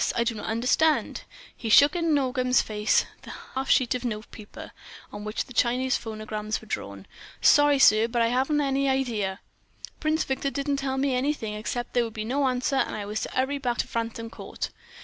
I do not understand!" He shook in Nogam's face the half sheet of notepaper on which the Chinese phonograms were drawn. "Sorry, sir, but I 'aven't any hidea. Prince Victor didn't tell me anything except there would be no answer, and I was to 'urry right back to Frampton Court."